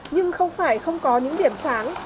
nhưng không phải không có những điểm sáng